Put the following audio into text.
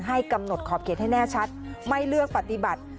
ให้กำหนดขอบเขตให้แน่ชัดไม่เลือกปฏิบัติ